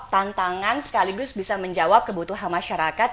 tantangan sekaligus bisa menjawab kebutuhan masyarakat